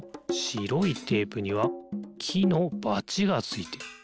しろいテープにはきのバチがついてる。